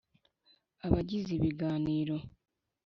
abagize ibiganiro